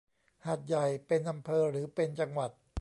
หาดใหญ่เป็นอำเภอหรือเป็นจังหวัด